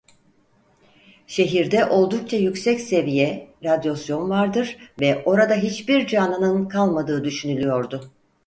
Şehirde oldukça yüksek seviye radyasyon vardır ve orada hiçbir canlının kalmadığı düşünülüyordu.